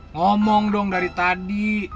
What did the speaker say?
ngomong dong dari tadi